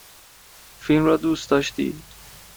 فیلم را دوست داشتی؟